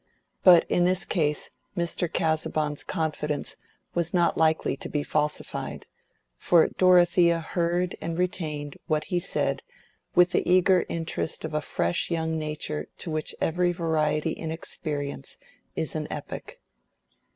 But in this case Mr. Casaubon's confidence was not likely to be falsified, for Dorothea heard and retained what he said with the eager interest of a fresh young nature to which every variety in experience is an epoch.